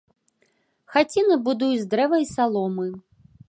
Хаціны будуюць з дрэва і саломы.